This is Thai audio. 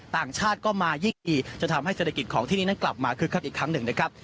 ต่างชาติก็มายิ่งอีกจะทำให้เศรษฐกิจของที่นี่นั้นกลับมาคึกคักอีกครั้งหนึ่งนะครับ